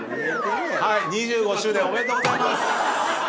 ２５周年おめでとうございます！